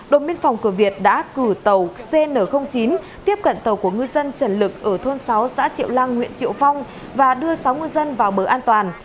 đồn biên phòng cửa việt đã cử tàu cn chín tiếp cận tàu của ngư dân trần lực ở thôn sáu xã triệu lăng huyện triệu phong và đưa sáu ngư dân vào bờ an toàn